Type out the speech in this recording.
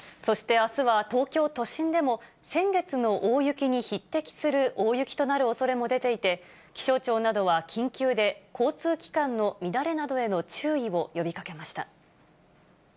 そしてあすは東京都心でも先月の大雪に匹敵する大雪となるおそれも出ていて、気象庁などは緊急で、交通機関の乱れなどへの注意を呼びかけました。